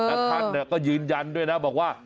แล้วท่านก็ยืนยันด้วยนะบอกว่า